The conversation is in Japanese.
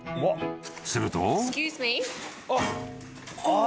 ［すると］